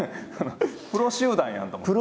プロ集団やんと思って。